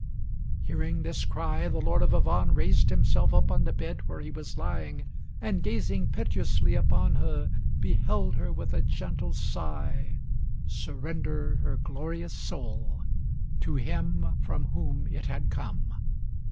Hearing this cry, the Lord of Avannes raised himself up on the bed where he was lying, and gazing piteously upon her, beheld her with a gentle sigh surrender her glorious soul to Him from whom it had come.